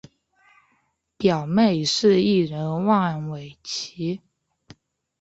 表妹是艺人万玮乔。